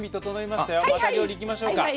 また料理いきましょう。